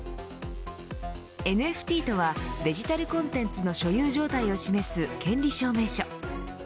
ＮＦＴとはデジタルコンテンツの所有状態を示す権利証明書。